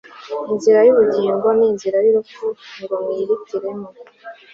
inzira y ubugingo n inzira y urupfu ngo mwihitiremo